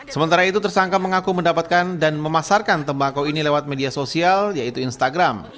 sementara itu tersangka mengaku mendapatkan dan memasarkan tembakau ini lewat media sosial yaitu instagram